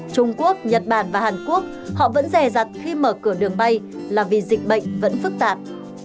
trung quốc nhật bản và hàn quốc họ vẫn rè rặt khi mở cửa đường bay là vì dịch bệnh vẫn phức tạp